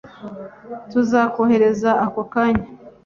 Tuzakohereza ako kanya.